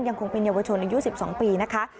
ยังคงเป็นเยาวชนอายุ๑๒ปีนะคะ